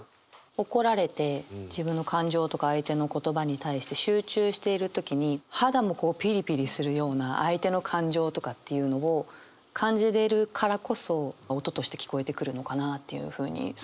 怒られて自分の感情とか相手の言葉に対して集中している時に肌もこうピリピリするような相手の感情とかっていうのを感じれるからこそ音として聞こえてくるのかなっていうふうに想像させましたね。